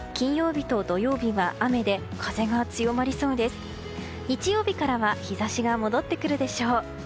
日曜日からは日差しが戻ってくるでしょう。